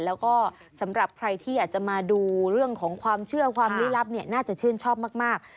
แล้วก็สำหรับใครที่อยากจะมาดูเรื่องของความเชื่อความลี้ลับเนี่ยน่าจะชื่นชอบมาก